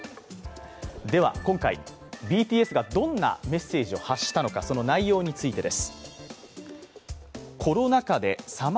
では、今回ＢＴＳがどんなメッセージを発したのか、その内容についてです。